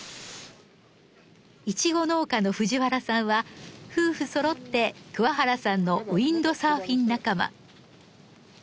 イチゴ農家の藤原さんは夫婦そろって桑原さんのウインドサーフィン仲間。